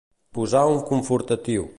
Posar un confortatiu.